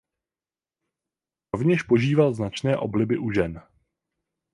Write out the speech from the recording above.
Rovněž požíval značné obliby u žen.